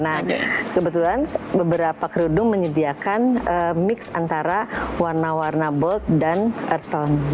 nah kebetulan beberapa kerudung menyediakan mix antara warna warna bold dan earthon